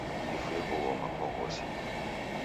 Difue wughoma kwa ghose